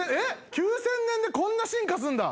９０００年でこんな進化するんだ！